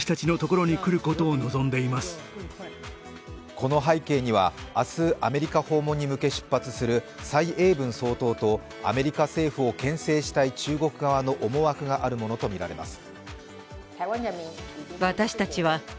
この背景には、明日、アメリカ訪問に向け出発する蔡英文総統とアメリカ政府をけん制したい中国側の思惑があるものとみられます。